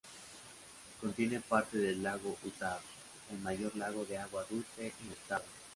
Contiene parte del Lago Utah, el mayor lago de agua dulce en el estado.